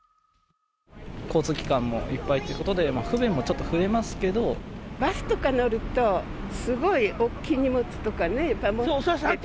交通機関もいっぱいということで、バスとか乗ると、すごい大きい荷物とか持って。